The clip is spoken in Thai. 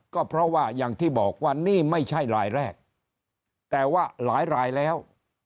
ก็เพราะว่าอย่างที่บอกว่านี่ไม่ใช่รายแรกแต่ว่าหลายรายแล้ว